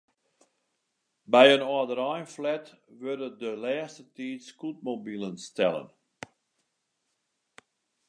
By in âldereinflat wurde de lêste tiid scootmobilen stellen.